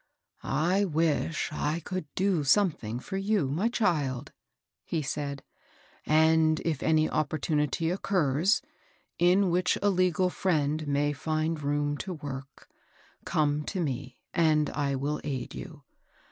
"I wish I could do something for you, my child," he said ;" and if any opportunity occurs, in which a legal friend may find room to work, come to me, and I will aid you.